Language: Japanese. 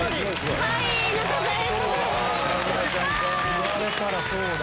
言われたらそうだ。